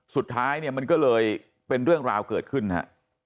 สุดท้ายเนี่ยมันก็เลยเป็นเรื่องราวเกิดขึ้นฮะ